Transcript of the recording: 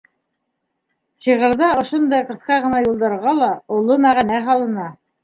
Шиғырҙа ошондай ҡыҫҡа ғына юлдарға ла оло мәғәнә һалына.